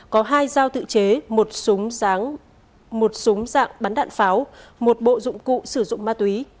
có hai dao tự chế một súng dạng bắn đạn pháo một bộ dụng cụ sử dụng ma túy